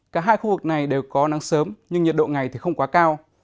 cả hai khu vực này đều có nắng sớm nhưng nhiệt độ ngày thì không quá cao